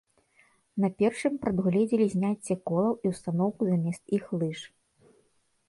На першым прадугледзелі зняцце колаў і ўстаноўку замест іх лыж.